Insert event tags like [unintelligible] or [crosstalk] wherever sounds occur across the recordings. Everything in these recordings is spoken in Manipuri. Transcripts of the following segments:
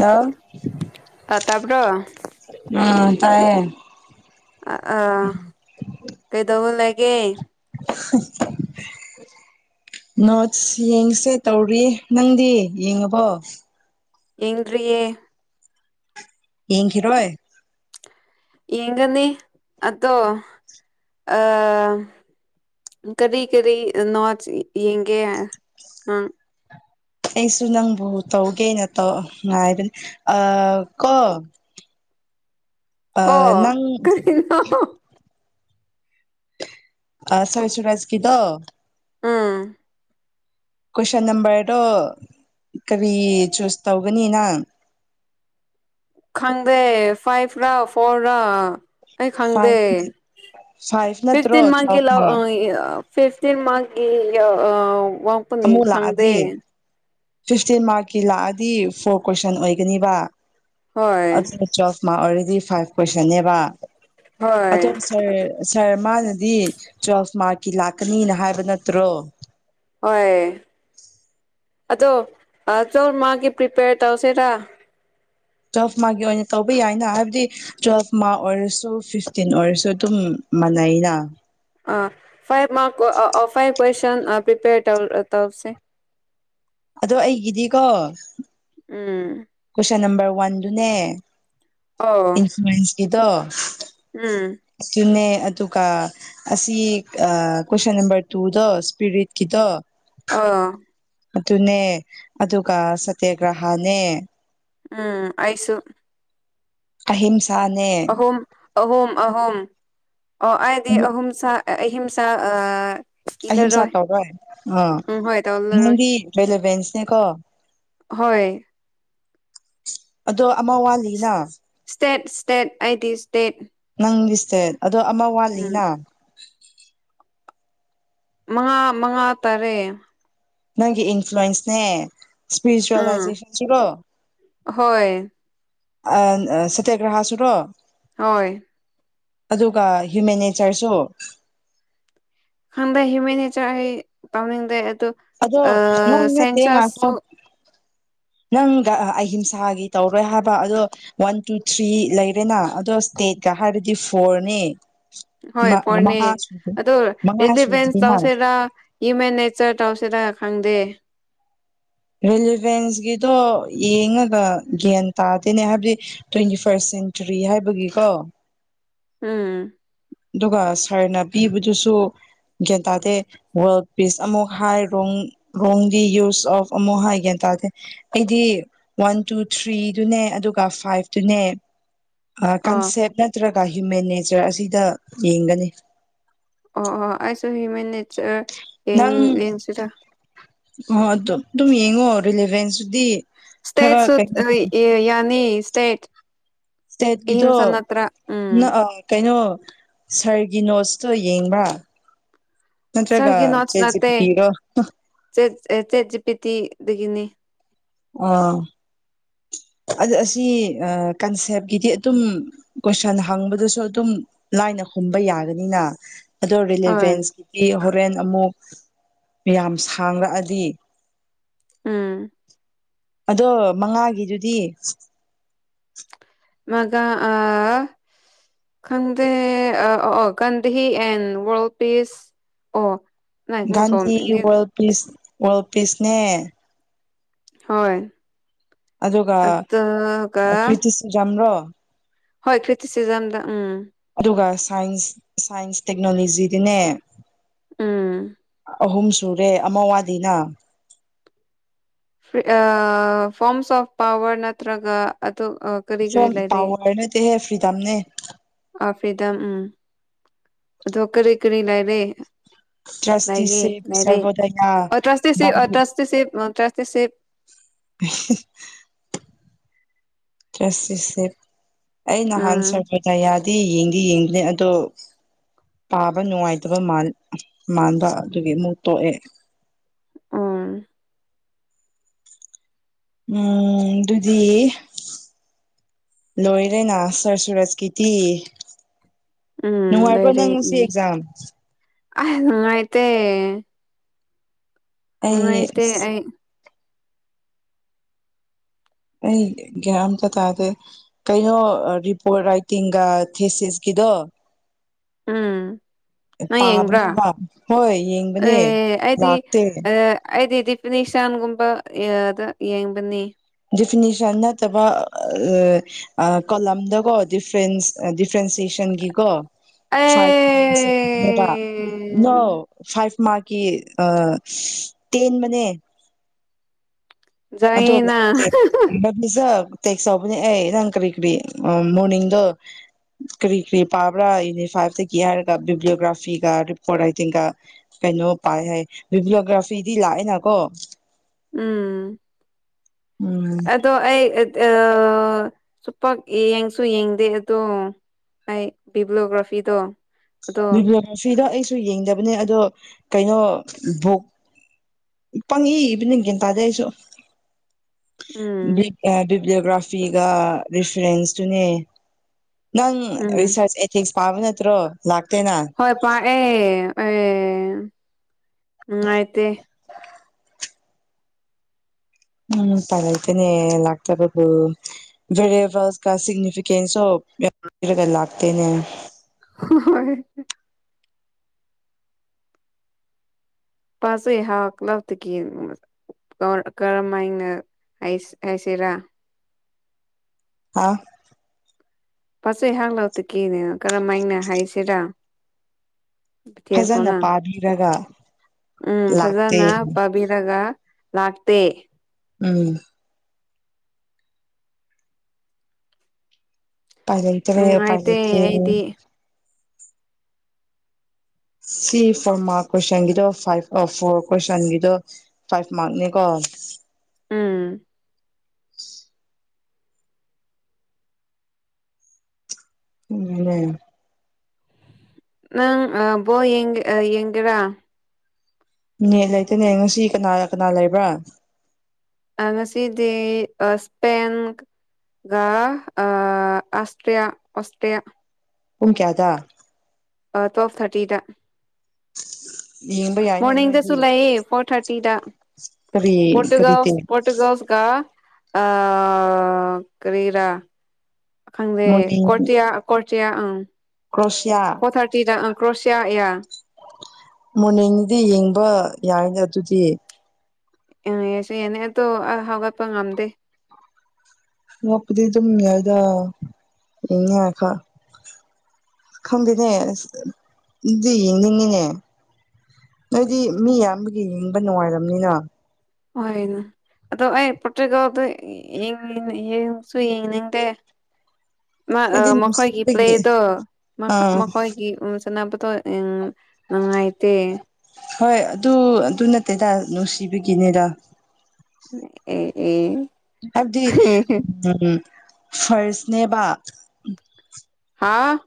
ꯂꯥꯎ ꯇꯥ ꯇꯥꯕꯔꯣ꯫ ꯑꯥ ꯇꯥꯏꯌꯦ ꯑ ꯑꯥ ꯀꯩꯗꯧꯕ ꯂꯩꯒꯦ [inaudible] ꯅꯣꯠꯁ ꯌꯦꯡꯁꯦ ꯇꯧꯔꯤ ꯅꯪꯗꯤ ꯌꯦꯡꯉꯕꯣ ꯑꯦꯡꯗꯔ꯭ꯤꯌꯦ ꯌꯦꯡꯈꯤꯔꯣꯏ ꯌꯦꯡꯒꯅꯤ ꯑꯗꯣ ꯑꯥ ꯀꯔꯤ ꯀꯔꯤ ꯅꯣꯠꯁ ꯌꯦꯡꯒꯦ ꯑꯝ ꯑꯩꯁꯨ ꯅꯪꯕꯨ ꯇꯧꯒꯦꯅ ꯇꯧ ꯉꯥꯏꯕꯅꯤ ꯑꯥ ꯀꯣ ꯀꯣ ꯑꯥ ꯅꯪ ꯀꯔꯤꯅꯣ ꯑꯥ ꯁꯥꯔ ꯁꯨꯔꯖꯀꯤꯗꯣ ꯎꯝ ꯀꯣꯏꯁꯟ ꯅꯝꯕꯔꯗꯣ ꯀꯔꯤ ꯆꯨꯁ ꯇꯧꯒꯅꯤꯅꯪ ꯈꯪꯗꯦ ꯐꯥꯏꯚ ꯔꯥ ꯐꯣꯔ ꯔꯥ ꯑꯩ ꯈꯪꯗꯦ ꯐꯥꯏꯚ ꯐꯥꯏꯚ ꯅꯠꯇ꯭ꯔꯣ ꯐꯤꯐꯇꯤꯟ ꯃꯟꯀꯤ ꯇꯨꯋꯦꯜꯐ ꯂꯧ ꯃꯥꯔꯛ ꯐꯤꯐꯇꯤꯟ ꯃꯟꯀꯤ [unintelligible] ꯑꯃꯨꯛ ꯂꯥꯛꯑꯗꯤ ꯐꯤꯐꯇꯤꯟ ꯃꯥꯔꯛꯀꯤ ꯂꯥꯛꯑꯗꯤ ꯐꯣꯔ ꯀꯣꯏꯁꯟ ꯑꯣꯏꯒꯅꯤꯕ ꯍꯣꯏ ꯑꯗꯨ ꯇ꯭ꯋꯦꯜꯐ ꯃꯥꯛ ꯑꯣꯏꯔꯗꯤ ꯐꯥꯏꯚ ꯀꯣꯏꯁꯟꯅꯦꯕ ꯑꯗꯣ ꯍꯣꯏ ꯁꯥꯔ ꯁꯥꯔ ꯃꯥꯅꯗꯤ ꯇ꯭ꯋꯦꯜꯐ ꯃꯥꯔꯛꯀꯤ ꯂꯥꯛꯀꯅꯤꯅ ꯍꯥꯏꯕ ꯅꯠꯇ꯭ꯔꯣ ꯍꯣꯏ ꯑꯗꯣ ꯇ꯭ꯋꯦꯜꯐ ꯃꯥꯛꯒꯤ ꯄ꯭ꯔꯤꯄꯦꯌꯔ ꯇꯧꯁꯤꯔꯥ ꯇ꯭ꯋꯦꯜꯐ ꯃꯥꯛꯒꯤ ꯑꯣꯏꯅ ꯇꯧꯕ ꯌꯥꯏꯅ ꯍꯥꯏꯕꯗꯤ ꯇꯨꯋꯦꯜꯐ ꯃꯥꯛ ꯑꯣꯏꯔꯁꯨ ꯐꯤꯐꯇꯤꯟ ꯑꯣꯏꯔꯁꯨ ꯑꯗꯨꯝ ꯃꯥꯟꯅꯩꯅ five mark five question prepare ꯇꯧ ꯇꯧꯁꯦ ꯑꯗꯣ ꯑꯩꯒꯤꯗꯤꯀꯣ ꯎꯝ ꯀꯣꯏꯁꯟ ꯅꯝꯕꯔ ꯋꯥꯟꯗꯨꯅꯦ ꯑꯣ ꯏꯟꯁꯨꯔꯦꯟꯁꯀꯤꯗꯣ ꯎꯝ ꯑꯗꯨꯅꯦ ꯑꯗꯨꯒ ꯑꯁꯤ ꯀꯣꯏꯁꯟ ꯅꯝꯕꯔ ꯇꯨꯗꯣ ꯁ꯭ꯄꯤꯔꯤꯠꯀꯤꯗꯣ ꯑꯥ ꯑꯗꯨꯅꯦ ꯑꯗꯨꯒ ꯁꯠꯇ꯭ꯌꯒ꯭ꯔꯍꯅꯦ ꯎꯝ ꯑꯩꯁꯨ ꯑꯍꯤꯝꯁꯥꯅꯦ ꯑꯍꯨꯝ ꯑꯍꯨꯝ ꯑꯍꯨꯝ ꯑꯣ ꯑꯩꯗꯤ ꯑꯍꯨꯝꯁꯥ ꯑꯍꯤꯝꯁꯥ ꯏꯜꯂꯔꯣꯏ ꯑꯍꯤꯡꯁꯥ ꯇꯧꯔꯣꯏ ꯑꯥ ꯎꯝ ꯍꯣꯏ ꯇꯧꯂꯔꯣꯏ ꯅꯪꯗꯤ ꯕꯦꯂꯣꯕꯦꯟꯁꯅꯦꯀꯣ ꯍꯣꯏ ꯑꯗꯣ ꯑꯃ ꯋꯥꯠꯂꯤꯅ ꯁ꯭ꯇꯦꯠ ꯁ꯭ꯇꯦꯠ ꯑꯩꯗꯤ ꯁ꯭ꯇꯦꯠ ꯅꯪꯒꯤ ꯁꯇꯦꯠ ꯑꯗꯣ ꯑꯃ ꯋꯥꯠꯂꯤꯅ ꯃꯉꯥ ꯃꯉꯥ ꯇꯥꯔꯦ ꯅꯪꯒꯤ ꯏꯟꯐ꯭ꯂꯨꯋꯦꯟꯁꯅꯦ ꯎꯝ ꯁꯄꯤꯔꯤꯆꯨꯋꯦꯜꯂꯥꯏꯖꯦꯁꯟꯁꯨꯔꯣ ꯍꯣꯏ ꯑꯦꯟ ꯁꯠꯇꯌꯒ꯭ꯔꯍꯥ ꯁꯨꯨꯔ ꯍꯣꯏ ꯑꯗꯨꯒ ꯍ꯭ꯌꯨꯃꯦꯟ ꯅꯦꯆꯔꯁꯨ ꯈꯪꯗꯦ ꯍ꯭ꯌꯨꯃꯦꯟ ꯅꯦꯆꯔ ꯑꯩ ꯇꯧꯅꯤꯡꯗꯦ ꯑꯗꯨ ꯑꯗꯣ ꯑ ꯅꯪ ꯅꯠꯇꯦ ꯉꯥꯏꯈꯣ ꯁꯦꯟꯁꯁꯁꯨ ꯅꯪꯒ ꯑꯍꯤꯝꯁꯥꯒꯤ ꯇꯧꯔꯣꯏ ꯍꯥꯏꯕ ꯑꯗꯣ ꯋꯥꯟ ꯇꯨ ꯊ꯭ꯔꯤ ꯂꯩꯔꯦꯅ ꯑꯗꯣ ꯁꯇꯦꯠꯀ ꯍꯥꯏꯔꯗꯤ ꯐꯣꯔꯅꯤ ꯍꯣꯏ ꯐꯣꯔꯅꯦ ꯑꯗ ꯃꯉꯥ ꯏꯟꯗꯤꯐꯦꯟꯁ ꯁꯨꯗ꯭ꯔꯤꯅ ꯇꯧꯁꯦꯔꯥ ꯍ꯭ꯌꯨꯃꯦꯟ ꯅꯦꯆꯔ ꯇꯧꯁꯤꯔ ꯈꯪꯗꯦ ꯔꯤꯂꯤꯚꯦꯟꯁꯀꯤꯗꯣ ꯌꯦꯡꯉꯒ ꯒ꯭ꯌꯥꯟ ꯇꯥꯗꯦꯅꯦ ꯍꯥꯏꯕꯗꯤ ꯇ꯭ꯋꯦꯟꯇꯤ ꯐꯥꯔꯁ ꯁꯦꯟꯆꯨꯔꯤ ꯍꯥꯏꯕꯒꯤꯀꯣ ꯎꯝ ꯑꯗꯨꯒ ꯁꯥꯔꯅ ꯄꯤꯕꯗꯨꯁꯨ ꯒ꯭ꯌꯥꯟ ꯇꯥꯗꯦ ꯋꯥꯔꯜ ꯄꯤꯁ ꯑꯃꯨꯛ ꯍꯥꯏ ꯔꯣꯡ ꯔꯣꯡꯗꯤ ꯌꯨꯁ ꯑꯣꯐ ꯑꯃꯨꯛ ꯍꯥꯏ ꯌꯥꯟ ꯇꯥꯗꯦ ꯑꯩꯗꯤ ꯋꯥꯟ ꯇꯨ ꯊ꯭ꯔꯤꯗꯨꯅꯦ ꯑꯗꯨꯒ ꯐꯥꯏꯞꯇꯨꯅꯦ ꯑ ꯑꯣ ꯀꯟꯁꯦꯞ ꯅꯠꯇ꯭ꯔꯒ ꯍ꯭ꯌꯨꯃꯦꯟ ꯅꯦꯆꯔ ꯑꯁꯤꯗ ꯌꯦꯡꯒꯅꯤ ꯑ ꯑ ꯑꯩꯁꯨ ꯍ꯭ꯌꯨꯃꯦꯟ ꯅꯦꯆꯔ ꯌꯦꯡ ꯅꯪ ꯌꯦꯡꯁꯤꯔ ꯑ ꯑꯗꯨ ꯑꯗꯨꯝ ꯌꯦꯡꯉꯣ ꯔꯤꯂꯦꯚꯦꯟꯁꯇꯨꯗꯤ ꯈꯔ ꯁ꯭ꯇꯦꯠꯁꯨ ꯀꯩꯅꯣ [unintelligible] ꯌꯥꯅꯤ ꯁ꯭ꯇꯦꯠ ꯑꯍꯤꯝꯁꯥ ꯁ꯭ꯇꯦꯇꯀꯤꯗꫭ ꯅꯠꯇ꯭ꯔ ꯅ ꯎꯝ ꯑꯪ ꯀꯩꯅꯣ ꯁꯥꯔꯒꯤ ꯅꯣꯠꯁꯇꯣ ꯌꯦꯡꯕ꯭ꯔ ꯅꯠꯇ꯭ꯔꯒ ꯁꯥꯔꯒꯤ ꯅꯣꯠꯁ ꯆꯦꯠ ꯖꯤ ꯄꯤ ꯅꯠꯇꯦ ꯇꯤꯔꯣ ꯆꯦꯠ ꯆꯦꯠ ꯖꯤ ꯄꯤ ꯇꯤꯗꯒꯤꯅꯤ ꯑ ꯑꯗꯨ ꯑꯁꯤ ꯀꯟꯁꯦꯞꯀꯤꯗꯤ ꯑꯗꯨꯝ ꯀꯣꯏꯁꯟ ꯍꯪꯕꯗꯁꯨ ꯑꯗꯨꯝ ꯂꯥꯏꯅ ꯈꯨꯝꯕ ꯌꯥꯒꯅꯤꯅ ꯑꯗꯨ ꯍꯣꯏ ꯔꯤꯂꯤꯚꯦꯟꯁꯇꯤ ꯍꯣꯔꯦꯟ ꯑꯃꯨꯛ ꯌꯥꯝ ꯁꯥꯡꯔꯛꯑꯗꯤ ꯎꯝ ꯑꯗꯣ ꯃꯉꯥꯒꯤꯗꯨꯗꯤ ꯃꯒ ꯑꯥ ꯈꯪꯗꯦ [unintelligible] ꯒꯥꯟꯙꯤ ꯑꯦꯟ ꯋꯥꯔꯜ ꯄꯤꯁ ꯑꯣ ꯥꯒꯥꯟꯙꯤ ꯋꯥꯔꯜ ꯄꯤꯁ ꯋꯥꯔꯜ ꯄꯤꯁꯅꯦ ꯍꯣꯏ ꯑꯗꯨꯒ ꯑꯗꯨꯒ ꯄ꯭ꯔꯤꯇꯤꯖꯝꯔꯣ ꯍꯣꯏ ꯀ꯭ꯔꯤꯇꯤꯁꯤꯖꯝꯗ ꯎꯝ ꯑꯗꯨꯒ ꯁꯥꯏꯟꯁ ꯁꯥꯏꯟꯁ ꯇꯦꯛꯅꯣꯂꯣꯖꯤꯗꯅꯦ ꯎꯝ ꯑꯍꯨꯝ ꯁꯨꯔꯦ ꯑꯃ ꯋꯥꯠꯂꯤꯅ ꯑ ꯐꯣꯝꯁ ꯑꯣꯐ ꯄꯥꯋꯔ ꯅꯠꯇ꯭ꯔꯒ ꯑꯗꯨ ꯑ ꯐꫭꯝ ꯄꯋꯥꯔ ꯅꯠꯇꯦꯍꯦ ꯐ꯭ꯔꯤꯗꯝꯅꯦ ꯑꯥ ꯐ꯭ꯔꯤꯗꯝ ꯎꯝ ꯑꯗꯨ ꯀꯔꯤ ꯀꯔꯤ ꯂꯩꯔꯤ ꯇ꯭ꯔꯁꯇꯤꯁꯤꯞ ꯂꯩꯌꯦ ꯁꯔꯚꯣꯗꯌꯥ ꯒꯥꯟꯙꯤ [unintelligible] [unintelligible] [unintelligible] ꯑꯩ ꯅꯍꯥꯟ ꯎꯝ [unintelligible] ꯌꯥꯗꯤ ꯌꯦꯡꯗꯤ ꯌꯦꯡꯕꯅꯦ ꯑꯗꯣ ꯄꯥꯕ ꯅꯨꯡꯉꯥꯏꯇꯕ ꯃꯥꯟꯕ ꯑꯗꯨꯒꯤ ꯑꯃꯨꯛ ꯇꯣꯛꯑꯦ ꯎꯝ ꯎꯝ ꯗꯨꯗꯤ ꯂꯣꯏꯔꯦꯅ ꯁꯥꯔ ꯁꯨꯔꯁꯀꯤꯗꯤ ꯎꯝ ꯅꯨꯡꯉꯥꯏꯕ꯭ꯔꯣ ꯅꯪ ꯉꯁꯤ ꯑꯦꯛꯖꯥꯝ ꯑꯥ‌ ꯅꯨꯡꯉꯥꯏꯇꯦ ꯑꯩ ꯅꯨꯡꯉꯥꯏꯇꯦ ꯑꯩ ꯑꯩ ꯒ꯭ꯌꯥꯟ ꯑꯝꯇ ꯇꯥꯗꯦ ꯀꯩꯅꯣ ꯔꯤꯄꯣꯔꯠ ꯔꯥꯏꯇꯤꯡꯒ ꯊꯦꯁꯤꯁꯀꯤꯗꯣ ꯎꯝ ꯅꯪꯏ ꯌꯦꯡꯕ꯭ꯔ ꯄꯥꯕꯅꯦꯕ ꯍꯣꯏ ꯌꯦꯡꯕꯅꯦ ꯑꯦ ꯑꯩꯗꯤ ꯂꯥꯛꯇꯦ [unintelligible] ꯑꯩꯗꯤꯗꯤ ꯅꯤꯁꯥꯟꯒꯨꯝꯕ ꯌꯥꯗ ꯌꯦꯡꯕꯅꯤ ꯗꯤꯐꯤꯅꯤꯁꯟ ꯅꯠꯇꯕ ꯑ ꯑꯥ ꯀꯂꯝꯗꯀꯣ ꯗꯤꯐ꯭ꯔꯦꯟꯁ ꯗꯤꯐ꯭ꯔꯦꯟꯁꯦꯁꯟꯒꯤꯀꯣ ꯑꯦ ꯐꯥꯏꯚ [unintelligible] ꯅꯣ ꯐꯥꯏꯚ ꯃꯥꯛ ꯀꯤ ꯑꯥ ꯇꯦꯟꯕꯅꯦ ꯑꯗꯣ ꯖꯪꯉꯤꯅ ꯂꯥꯛꯇꯦ [unintelligible] ꯔꯤꯖꯔꯕ ꯇꯦꯛꯁ ꯌꯥꯎꯕꯅꯦ ꯑꯩ ꯅꯪ ꯀ꯭ꯔꯤ ꯀ꯭ꯔꯤ ꯃꯣꯔꯅꯤꯡꯗꯣ ꯀ꯭ꯔꯤ ꯀ꯭ꯔꯤ ꯄꯥꯕ꯭ꯔꯥ ꯌꯨꯅꯤꯠ ꯐꯥꯏꯚꯇꯒꯤ ꯍꯥꯏꯔꯒ ꯚꯤꯗꯤꯑꯣꯒ꯭ꯔꯥꯐꯤꯒ ꯔꯤꯄꯣꯔꯠ ꯔꯥꯏꯇꯤꯡꯒ ꯀꯩꯅꯣ ꯄꯥꯏ ꯍꯥꯏ ꯚꯤꯕ꯭ꯂꯤꯌꯣꯒ꯭ꯔꯥꯐꯤꯗꯤ ꯂꯥꯛꯑꯦꯅꯀꯣ ꯎꯝ ꯎꯝ ꯑꯗꯣ ꯑꯩ ꯑ ꯁꯨꯄꯛ ꯌꯦꯡꯁꯨ ꯌꯦꯡꯗꯦ ꯑꯗꯣ ꯑꯩ ꯕꯤꯕ꯭ꯂꯣꯒ꯭ꯔꯥꯐꯤꯗꯣ ꯑꯗꯣ ꯕꯤꯕ꯭ꯂꯣꯒ꯭ꯔꯥꯐꯤꯗꯣ ꯑꯩꯁꯨ ꯌꯦꯡꯗꯕꯅꯦ ꯑꯗꯣ ꯀꯩꯅꯣ ꯚꯣꯛ ꯄꯪꯏ ꯏꯕꯅꯤ ꯒ꯭ꯌꯥꯟ ꯇꯥꯗꯦ ꯑꯩꯁꯨ ꯎꯝ ꯕꯤꯛ ꯑ ꯕꯤꯕ꯭ꯂꯤꯌꯣꯒ꯭ꯔꯥꯐꯤꯒ ꯔꯤꯐ꯭ꯔꯦꯟꯁꯇꯨꯅꯦ ꯅꯪ ꯎꯝ ꯔꯤꯁꯥꯔꯁ ꯑꯦꯊꯤꯛꯁ ꯄꯥꯕ ꯅꯠꯇ꯭ꯔꯣ ꯂꯥꯛꯇꯦꯅ ꯍꯣꯏ ꯄꯥꯛꯑꯦ ꯑꯩꯪ ꯅꯨꯡꯉꯥꯏꯇꯦ ꯎꯝ ꯎꯄꯥꯏ ꯂꯩꯇꯦꯅꯦ ꯂꯥꯛꯇꯕꯕꯨ ꯚꯦꯔꯤꯌꯦꯕꯜꯁꯀ ꯁꯤꯒꯅꯤꯐꯤꯀꯦꯟꯁꯣ ꯌꯥꯝꯔꯤꯒ ꯂꯥꯛꯇꯦꯅꯦ [unintelligible] [unintelligible] ꯀ ꯀꯔꯝꯃꯥꯏꯅ ꯍꯥꯏꯁ ꯍꯥꯏꯁꯤꯔꯥ ꯍꯥꯎ [unintelligible] ꯀꯔꯝ ꯃꯥꯏꯅ ꯍꯥꯏꯁꯤꯔꯥ ꯐꯖꯅ [unintelligible] ꯄꯥꯕꯤꯔꯒ ꯎꯝ ꯂꯥꯛꯇꯦ ꯐꯖꯟꯅ ꯄꯥꯕꯤꯔꯒ ꯂꯥꯛꯇꯦ ꯎꯝ ꯎꯄꯥꯏ ꯂꯩꯇ꯭ꯔꯦ ꯎꯄꯥꯏ ꯅꯨꯡꯉꯥꯏꯇꯦ ꯂꯩꯇ꯭ꯔꯦ ꯑꯩꯗꯤ ꯁꯤ ꯐꯣꯔ ꯃꯥꯔ ꯀꯣꯏꯁꯟꯒꯤꯗꯣ ꯐꯥꯏꯚ ꯐꯣꯔ ꯀꯣꯏꯁꯟꯒꯤꯗꯣ ꯐꯥꯏꯚ ꯃꯥꯔꯛꯅꯤꯀꯣ ꯎꯝ ꯎꯝꯅꯦ ꯅꯪ ꯑꯥ ꯕꯣꯟ ꯌꯦꯡ ꯑ ꯌꯦꯡꯒꯦꯔꯥ ꯅꯦꯠ ꯂꯩꯇꯅꯦ ꯉꯁꯤ ꯀꯅꯥ ꯀꯅꯥ ꯂꯩꯕ꯭ꯔꯥ ꯑ ꯉꯁꯤꯗꯤ ꯑ ꯁ꯭ꯄꯦꯟ ꯒ ꯑ ꯑꯁꯇ꯭ꯔꯤꯌꯥ ꯑꯣꯁꯇ꯭ꯔꯤꯌꯥ ꯄꯨꯡ ꯀ꯭ꯌꯥꯗ ꯑ ꯇ꯭ꯋꯦꯜꯞ ꯊꯔꯇꯤꯗ [inaudible] ꯌꯦꯡꯕꯩ ꯃꯣꯔꯅꯤꯡꯗꯁꯨ ꯂꯩꯌꯦ ꯐꯣꯔ ꯊꯥꯔꯇꯤꯗ ꯀꯔꯤ ꯀꯔꯤ ꯄꯣꯔꯇꯨꯒꯜꯁ ꯄꯣꯠ ꯇꯨꯒꯜꯁ ꯀ ꯑꯥ ꯀꯔꯤꯔꯥ ꯈꯪꯗꯦ ꯃꯣꯔꯅꯤꯡ ꯀꯣꯔꯇ꯭ꯌꯥ ꯀꯣꯔꯇ꯭ꯌꯥ ꯑꯪ ꯀ꯭ꯔꯣꯁꯤꯌꯥ ꯐꯣꯔ ꯊꯥꯔꯇꯤꯗ ꯑ ꯀ꯭ꯔꯣꯁꯤꯌꯥ ꯌꯥ ꯃꯣꯔꯅꯤꯡꯗꯤ ꯌꯦꯡꯕ ꯌꯥꯏꯅꯦ ꯑꯗꯨꯗꯤ [unintelligible] ꯑꯗꯣ ꯑꯩ ꯍꯧꯒꯠꯄ ꯉꯝꯗꯦ ꯅꯣꯛꯄꯗꯤ ꯑꯗꯨꯝ ꯌꯥꯏꯗ [unintelligible] ꯈꯪꯗꯦꯅꯦ ꯑꯁ ꯑꯗꯨꯗꯤ ꯌꯦꯡꯅꯤꯡꯉꯤꯅꯦ ꯅꯣꯏꯗꯤ ꯃꯤ ꯌꯥꯝꯕꯒꯤ ꯌꯦꯡꯕ ꯅꯨꯡꯉꯥꯏꯔꯝꯅꯤꯅ ꯍꯣꯏꯅꯦ ꯑꯗꯣ ꯑꯩ ꯄꯣꯇꯨꯀꯜꯗꯣ ꯌꯦꯡ ꯌꯦꯡꯁꯨ ꯌꯦꯡꯅꯤꯡꯗꯦ ꯃꯥ ꯑ ꯑꯩꯗꯤ ꯃꯈꯣꯏꯒꯤ ꯅꯨꯡꯁꯤꯕꯒꯤ ꯄ꯭ꯂꯦꯠꯗꯣ ꯃ ꯑꯥ ꯃꯈꯣꯏꯒꯤ ꯎ [unintelligible] ꯎꯝ ꯅꯨꯡꯉꯥꯏꯇꯦ ꯍꯣꯏ ꯑꯗꯨ ꯑꯗꯨ ꯅꯠꯇꯦꯗ ꯅꯨꯡꯁꯤꯕꯒꯤꯅꯦꯗ ꯑꯦ ꯑꯦ ꯑꯗꯨꯗꯤ ꯎꯝ ꯐ꯭ꯔꯁꯅꯦꯕ ꯍꯥꯥ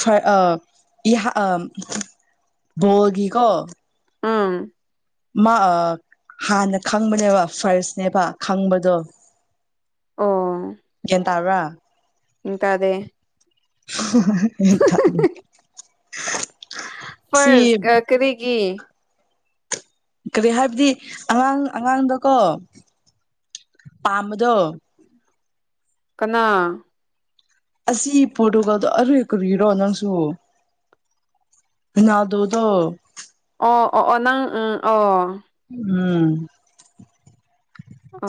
ꯍꯣꯏ ꯑ ꯌꯥ ꯑ ꯕꯣꯜꯒꯤꯀꯣ ꯎꯝ ꯃꯥ ꯍꯥꯟꯅ ꯈꯪꯕꯅꯦꯕ ꯐꯥꯔꯁꯅꯦꯕ ꯈꯪꯕꯗꯣ ꯑꯣ ꯒꯌ꯭ꯥꯟ ꯇꯥꯕ꯭ꯔꯥ ꯎꯝ ꯇꯥꯗꯦ [unintelligible] ꯐ꯭ꯔꯁ ꯑ ꯀꯔꯤꯒꯤ ꯀꯔꯤ ꯍꯥꯏꯕꯗꯤ ꯑꯉꯥꯡ ꯑꯉꯥꯡꯗꯀꯣ ꯄꯥꯝꯕꯗꯣ ꯀꯅꯥ ꯑꯁꯤ ꯄꯣꯔꯇꯨꯒꯥꯜꯗꯣ ꯑꯔꯦ ꯀꯔꯤꯔꯣ ꯅꯪꯁꯨ ꯔꯣꯅꯥꯜꯗꯣꯗꯣ ꯑꯣ ꯑꯣ ꯑꯣ ꯅꯪ ꯎꯝ ꯑꯣ ꯎꯝ ꯎꯝ ꯑ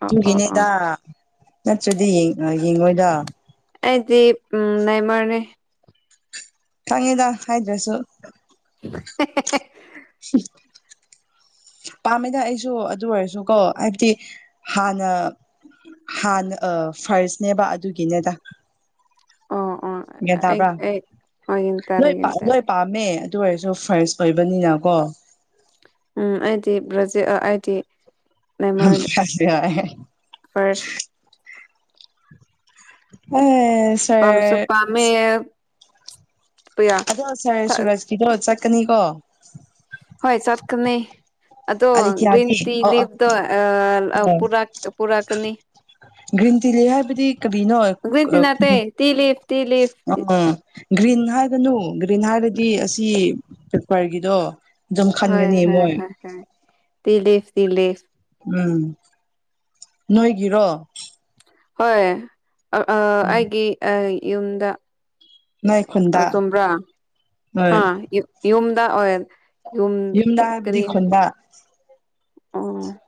ꯑꯣ [unintelligible] ꯑꯣ [unintelligible] ꯅꯠꯇ꯭ꯔꯗꯤ ꯌꯦꯡ ꯌꯦꯡꯉꯣꯏꯗ ꯑꯩꯗꯤ ꯎꯝ ꯅꯦꯃꯔꯅꯦ ꯈꯪꯉꯦꯗ ꯍꯥꯏꯗ꯭ꯔꯁꯨ [unintelligible] ꯁꯤ ꯄꯥꯝꯃꯦꯗ ꯑꯩꯁꯨ ꯑꯗꯨ ꯑꯣꯏꯔꯁꯨꯀꯣ ꯍꯥꯏꯕꯗꯤ ꯍꯥꯟꯅ ꯍꯥꯟꯅ ꯑ ꯐ꯭ꯔꯥꯁꯅꯦꯕ ꯑꯗꯨꯒꯤꯅꯦꯗ ꯑꯣ ꯑꯣ ꯒ꯭ꯌꯥꯟ ꯑꯩ ꯇꯥꯕ꯭ꯔꯥ ꯑꯩ ꯒ꯭ꯌꯥꯟ ꯇꯥꯔꯦ ꯂꯣꯏ ꯒ꯭ꯌꯥꯟ ꯇꯥꯔꯦ ꯂꯣꯏ ꯄꯥꯝꯃꯦ ꯑꯗꯨ ꯑꯣꯏꯔꯁꯨ ꯐ꯭ꯔꯁ ꯑꯣꯏꯕꯅꯤꯅ ꯀꯣ ꯎꯝ ꯑꯩꯗꯤ ꯕ꯭ꯔꯖꯤꯜ ꯑ ꯑꯩꯗꯤ [unintelligible] ꯑꯩ ꯐ꯭ꯔꯁ ꯍꯣꯏ ꯄꯥꯝꯁꯨ ꯄꯥꯝꯃꯦ ꯑꯗꯣ ꯁꯔ ꯁꯨꯔꯖꯀꯤꯗꯣ ꯆꯠꯀꯅꯤꯀꯣ ꯍꯣꯏ ꯆꯠꯀꯅꯤ ꯑꯗꯣ ꯒ꯭ꯔꯤꯟ ꯑꯂꯤꯊꯤꯌꯥꯗꯤ ꯇꯤ ꯑꯣ ꯑꯣ ꯂꯤꯚꯇꯣ ꯑ ꯄꯨꯔꯛ ꯄꯨꯔꯛꯀꯅꯤ ꯭ꯔꯤꯟ ꯇꯤ ꯂꯤ ꯍꯥꯏꯕꯗꯤ ꯀꯕꯤꯅꯣ ꯒꯔ꯭ꯤ꯭ꯟ ꯇꯤ ꯅꯠꯇꯦ ꯇꯤ ꯂꯤꯞ ꯑꯣ ꯒ꯭ꯔꯤꯟ ꯍꯥꯏꯒꯅꯨ ꯒ꯭ꯔꯤꯟ ꯍꯥꯏꯕꯥꯗꯤ ꯑꯁꯤ ꯄꯦꯄꯥꯔꯒꯤ ꯑꯗꯣ ꯑꯗꯨꯝ ꯈꯟꯒꯅꯤ ꯃꯣꯏ ꯑꯇꯥꯏ ꯇꯤꯂꯦꯐ ꯇꯤꯂꯦꯐ ꯎꯝ ꯅꯣꯏꯒꯤꯔꯣ ꯍꯣꯏ ꯑ ꯑ ꯎꯝ ꯑꯩꯒꯤ ꯑ ꯌꯨꯝꯗ ꯅꯣꯏ ꯑ ꯈꯨꯟꯗ ꯆꯨꯝꯕꯔ ꯍꯣꯏ ꯑ ꯌꯨ ꯌꯨꯝꯗ ꯑꯣꯏ ꯌꯨꯝ ꯀꯔꯤ ꯕꯥ ꯑꯣ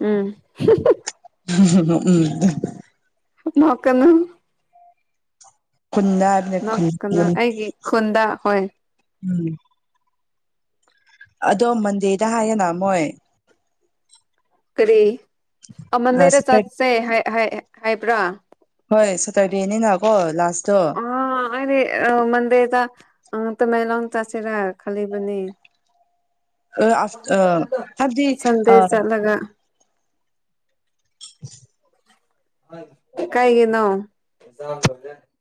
ꯎꯝ ꯎꯝ ꯅꯣꯛꯀꯥꯅꯨ ꯈꯨꯝꯗ ꯍꯥꯏꯕꯥꯅꯤ ꯈꯨꯟ ꯅꯣꯛꯀꯅꯨ ꯌꯨꯝ ꯑꯩꯒꯤ ꯈꯨꯟꯗ ꯍꯣꯏ ꯎꯝ ꯑꯗꯣ ꯃꯟꯗꯦꯗ ꯍꯥꯏꯌꯦꯅ ꯃꯣꯏ ꯀꯔꯤ ꯑ ꯑꯃꯟꯗꯦꯗ ꯆꯠꯁꯦ ꯍꯥꯏ ꯍꯥꯏ ꯍꯥꯏꯕ꯭ꯔꯥ ꯍꯣꯏ ꯁꯇꯔꯗꯦꯅꯤꯅꯀꯣ ꯂꯥꯁꯇꯣ ꯑ ꯑꯩꯗꯤ ꯑ ꯃꯟꯗꯦꯗ ꯑ ꯇꯃꯦꯂꯣꯡ ꯆꯠꯁꯦꯔ ꯈꯜꯂꯤꯕꯅꯤ ꯑ ꯑ ꯍꯥꯏꯕꯗꯤ ꯁꯟꯗꯦ ꯑ ꯆꯠꯂꯒ [unintelligible] ꯀꯩꯒꯤꯅꯣ